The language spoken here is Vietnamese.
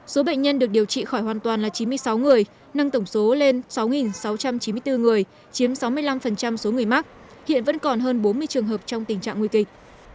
số bệnh nhân được điều trị khỏi hoàn toàn là chín mươi sáu người nâng tổng số lên sáu sáu trăm chín mươi bốn người chiếm sáu mươi năm số người mắc hiện vẫn còn hơn bốn mươi trường hợp trong tình trạng nguy kịch